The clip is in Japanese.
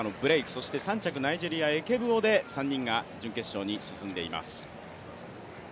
そして３着ナイジェリアエケブウォ３人が準決勝に進んでいます。